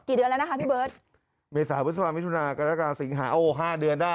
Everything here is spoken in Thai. เดือนแล้วนะคะพี่เบิร์ตเมษาพฤษภามิถุนากรกาสิงหาโอ้โหห้าเดือนได้